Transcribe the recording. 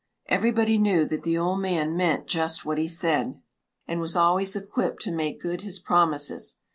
Everybody knew that the old man meant just what he said, and was always equipped to make good his promises.